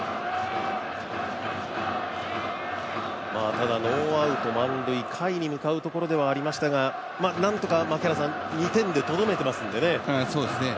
ただノーアウト満塁、下位に向かうところではありましたがなんとか２点でとどめていますんでね。